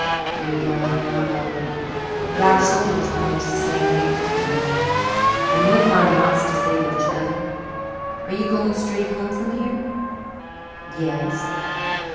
You're young and I'm old, but our souls are about the same age, I reckon, and we'll find lots to say to each other. Are you going straight home from here?" "Yes."